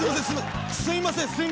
すいません